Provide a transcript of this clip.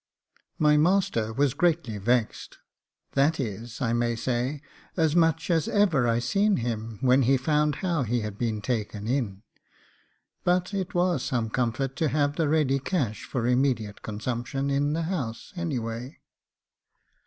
My master was greatly vexed that is, I may say, as much as ever I seen him when he found how he had been taken in; but it was some comfort to have the ready cash for immediate consumption in the house, anyway.